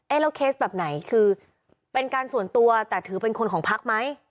แล้วเคสแบบไหนคือเป็นการส่วนตัวแต่ถือเป็นคนของพักไหม